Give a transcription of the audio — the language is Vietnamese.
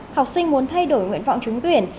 học sinh muốn thay đổi nguyện vọng trúng tuyển